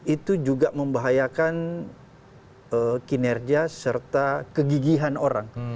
itu juga membahayakan kinerja serta kegigihan orang